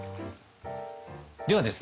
ではですね